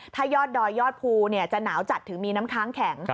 ถ้ายอดดอยยอดภูจะหนาวจัดถึงมีน้ำค้างแข็ง